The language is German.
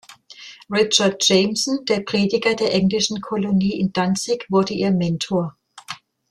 Richard Jameson, der Prediger der englischen Kolonie in Danzig, wurde ihr Mentor.